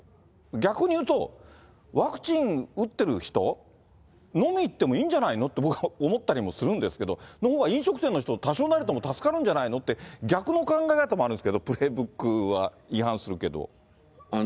逆に言うと、ワクチン打ってる人、飲みに行ってもいいんじゃないのって、僕は思ったりもするんですけど、そのほうが飲食店の人、多少なりとも助かるんじゃないのって、逆の考え方もあるんですけど、プレーブックは違反するけど。